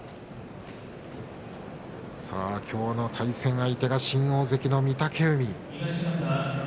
きょうの対戦相手が新大関の御嶽海。